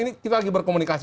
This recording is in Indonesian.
ini kita lagi berkomunikasi